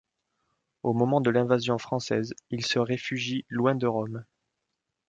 Au moment de l'invasion française, il se réfugie loin de Rome.